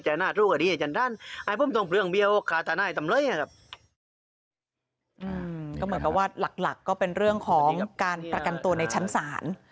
ก็เหมือนกับว่าหลักหลักก็เป็นเรื่องของการประกันตัวในชั้นศาล